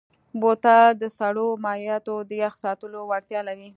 بوتل د سړو مایعاتو د یخ ساتلو وړتیا لري.